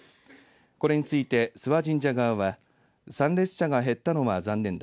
これについて、諏訪神社側は参列者が減ったのは残念だ。